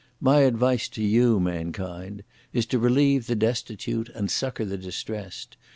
My advice to you, mankind, is to relieve the destitute and succour the distressed!